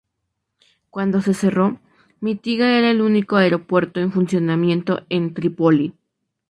Cuando se cerró, Mitiga era el único aeropuerto en funcionamiento en Trípoli.